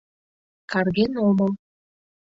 Карген омыл.